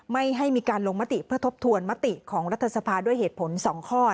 ไม่ให้มีการลงมติเพื่อทบทวนมติของรัฐสภาด้วยเหตุผล๒ข้อ